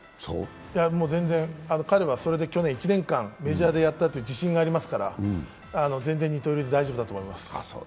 彼はそれで去年１年間、メジャーでやったという自信がありますから、全然二刀流で大丈夫だと思います。